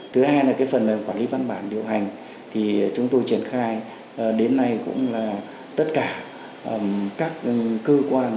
thứ hai là phần quản lý văn bản điều hành thì chúng tôi triển khai đến nay cũng là tất cả các cơ quan